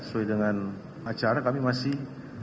sesuai dengan acara kami masih